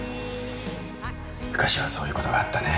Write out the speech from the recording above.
昔はそういうことがあったね。